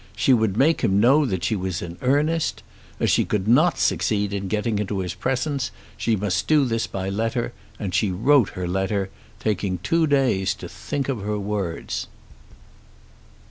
She would make him know that she was in earnest. As she could not succeed in getting into his presence she must do this by letter, and she wrote her letter, taking two days to think of her words.